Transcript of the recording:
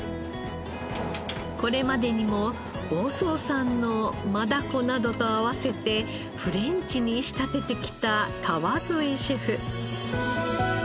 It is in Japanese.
これまでにも房総産のマダコなどと合わせてフレンチに仕立ててきた川副シェフ。